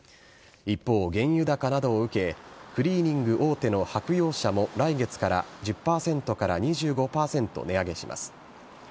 一方、原油高などを受けクリーニング大手の白洋舎も来月から１０％２５％値上げします。